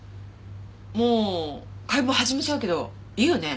もう解剖始めちゃうけどいいよね？